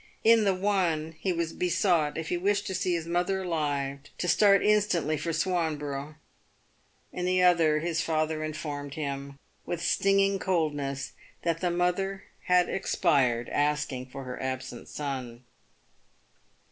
In the one, he was be sought, if he wished to see his mother alive, to start instantly for Swanborough. In the other, his father informed him, with stinging coldness, that the mother had expired asking for her absent son.